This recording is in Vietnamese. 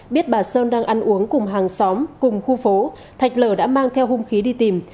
biết bà sơn đang ăn uống cùng hàng xóm cùng khu phố thạch lở đã mang theo hung khí đi tìm